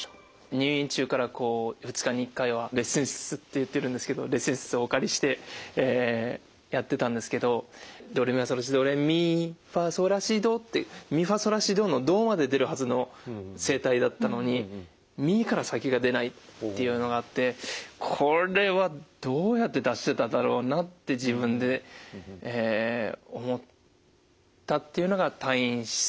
入院中からこう２日に１回はレッスン室って言ってるんですけどレッスン室をお借りしてやってたんですけどドレミファソラシドレミファソラシドってミファソラシドの「ド」まで出るはずの声帯だったのに「ミ」から先が出ないっていうのがあってこれはどうやって出してただろうなって自分で思ったっていうのが退院するまでで。